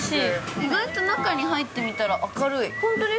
意外に中入ってみたら、明るい。